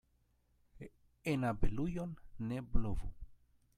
En abelujon ne blovu.